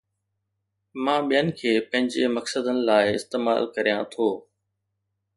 مان ٻين کي پنهنجي مقصدن لاءِ استعمال ڪريان ٿو